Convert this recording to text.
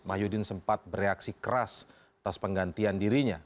mahyudin sempat bereaksi keras atas penggantian dirinya